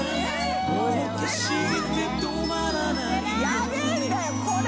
ヤベえんだよこれ。